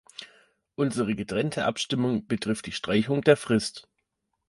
Unsere getrennte Abstimmung betrifft die Streichung der Frist.